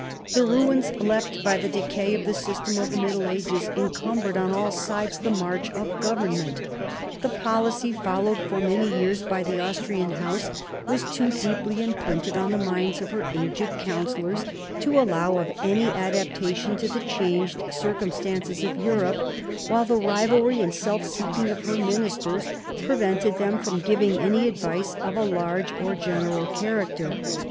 The ruins left by the decay of the system of the Middle Ages encumbered on all sides the march of government. The policy followed for many years by the Austrian House was too deeply imprinted on the minds of her aged councillors to allow of any adaptation to the changed circumstances of Europe; while the rivalry and self seeking of her ministers prevented them from giving any advice of a large or general character.